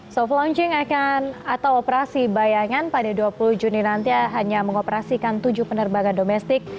soft launching atau operasi bayangan pada dua puluh juni nanti hanya mengoperasikan tujuh penerbangan domestik